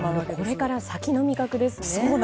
これから先の味覚ですね。